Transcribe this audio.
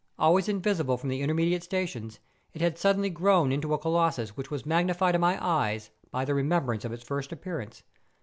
Always invisible from the intermediate stations, it had suddenly grown into a colossus which was magnified in my eyes by the remembrance of its first appearance.